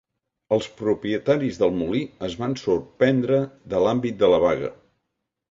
Els propietaris del molí es van sorprendre de l'àmbit de la vaga.